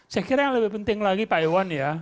saya kira yang lebih penting lagi pak iwan ya